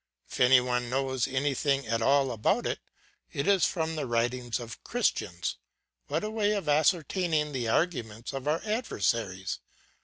If any one knows anything at all about it, it is from the writings of Christians. What a way of ascertaining the arguments of our adversaries!